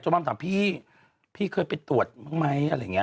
มาถามพี่พี่เคยไปตรวจบ้างไหมอะไรอย่างนี้